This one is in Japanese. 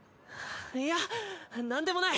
いやなんでもない。